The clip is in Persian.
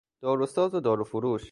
داروساز و داروفروش